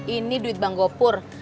ini duit bang gopur